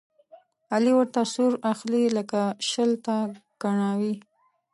علي ورته سور اخلي، لکه شل ته کڼاوې.